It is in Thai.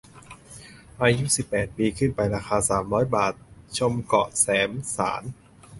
อายุ สิบแปด ปีขึ้นไป ราคา สามร้อย บาท ชมเกาะแสมสาร